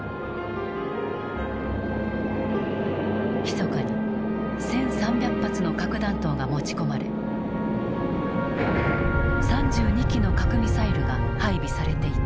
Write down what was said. ひそかに１，３００発の核弾頭が持ち込まれ３２基の核ミサイルが配備されていた。